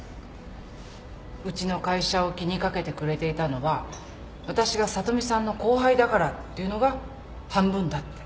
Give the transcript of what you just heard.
うちの会社を気に掛けてくれていたのは私が聡美さんの後輩だからっていうのが半分だって